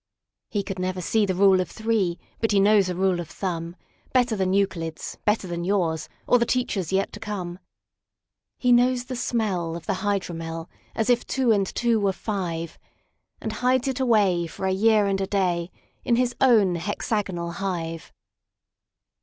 He never could see the Rule of Three, But he knows a rule of thumbBetter than Euclid's, better than yours, Or the teachers' yet to come. He knows the smell of the hydromelAs if two and two were five; And hides it away for a year and a dayIn his own hexagonal hive.